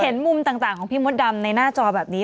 เห็นมุมต่างของพี่มดดำในหน้าจอแบบนี้